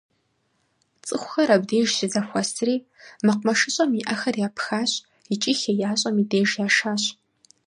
ЦӀыхухэр абдеж щызэхуэсри, мэкъумэшыщӀэм и Ӏэхэр япхащ икӀи хеящӀэм и деж яшащ.